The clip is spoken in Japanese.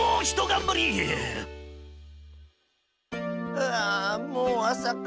ふあもうあさか。